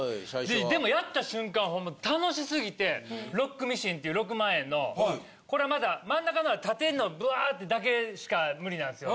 でもやった瞬間楽しすぎてロックミシンって６万円のこれはまだ真ん中のは縦のぶわってだけしか無理なんですよ。